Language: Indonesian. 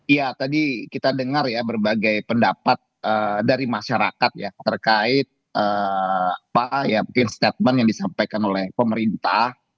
iya tadi kita dengar ya berbagai pendapat dari masyarakat ya terkait statement yang disampaikan oleh pemerintah